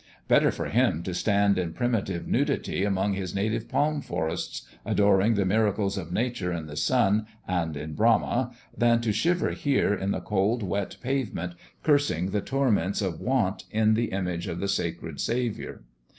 Better for him to stand in primitive nudity among his native palm forests, adoring the miracles of nature in the Sun, and in Brahma, than to shiver here on the cold, wet pavement, cursing the torments of want in the image of the sacred Saviour.